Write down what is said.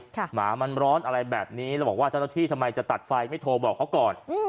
หมามันร้อนอะไรแบบนี้แล้วบอกว่าเจ้าหน้าที่ทำไมจะตัดไฟไม่โทรบอกเขาก่อน